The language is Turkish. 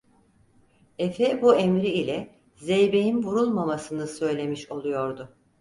Efe bu emri ile, zeybeğin vurulmamasını söylemiş oluyordu.